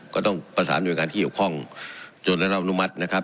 ก็ต้องประสานด้วยการที่หยุดคล่องจนอนุมัตินะครับ